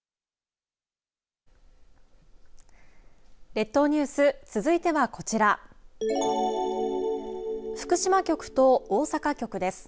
列島ニュース続いてはこちら福島局と大阪局です。